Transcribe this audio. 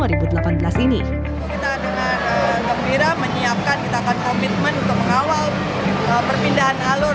kita dengan gembira menyiapkan kita akan komitmen untuk mengawal perpindahan alur